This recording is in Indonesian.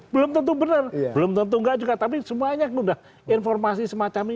belum tentu benar belum tentu enggak juga tapi semuanya sudah informasi semacam ini